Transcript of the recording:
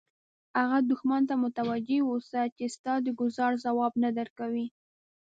هغه دښمن ته متوجه اوسه چې ستا د ګوزار ځواب نه درکوي.